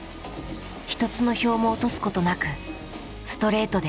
一つの票も落とすことなくストレートで勝ち進む。